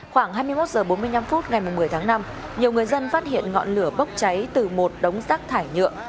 khoảng hai mươi một h bốn mươi năm phút ngày một mươi tháng năm nhiều người dân phát hiện ngọn lửa bốc cháy từ một đống rác thải nhựa